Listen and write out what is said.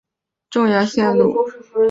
是连接市区与高校之间的重要线路。